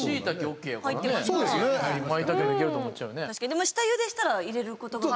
でも、下ゆでしたら入れることができる。